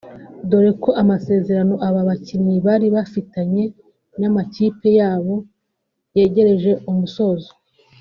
dore ko amasezerano aba bakinnyi bari bafitanye n’amakipe yabo yegereje umusozo